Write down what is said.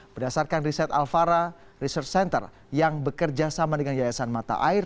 berdasarkan riset alvara research center yang bekerja sama dengan yayasan mata air